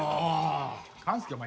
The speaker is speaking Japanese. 勘介お前